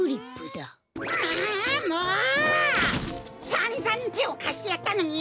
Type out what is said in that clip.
さんざんてをかしてやったのに！